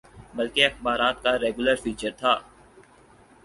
بلکہ اخبارات کا ریگولر فیچر تھا۔